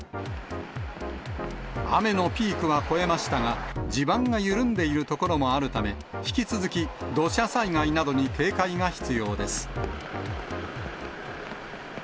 雨のピークは越えましたが、地盤が緩んでいる所もあるため、引き続き土砂災害などに警戒が必要です。